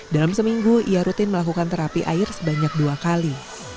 dalam seminggu ia rutin melakukan terapi air sebanyak dua kali